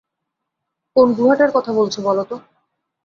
কোন গুহাটার কথা বলছো বলো তো?